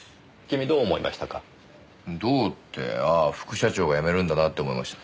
ああ副社長が辞めるんだなって思いました。